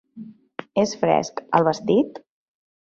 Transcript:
És fresc, el vestit?